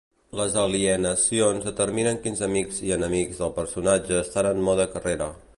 Les alineacions determinen quins amics i enemics del personatge estan en mode carrera.